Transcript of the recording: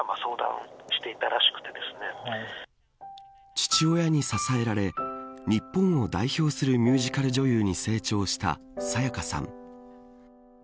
父親に支えられ日本を代表するミュージカル女優に成長した沙也加さん。